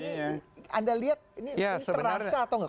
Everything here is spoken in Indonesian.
ini anda lihat ini terasa atau enggak